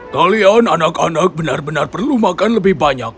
kalian anak anak benar benar perlu makan lebih banyak